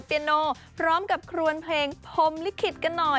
เยโนพร้อมกับครวนเพลงพรมลิขิตกันหน่อย